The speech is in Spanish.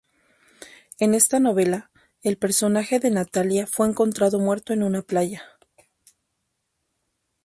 En esta novela, el personaje de Natalia fue encontrado muerto en una playa.